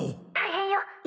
大変よ！